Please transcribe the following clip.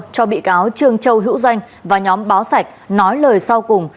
cho bị cáo trương châu hữu danh và nhóm báo sạch nói lời sau cùng